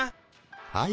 はい。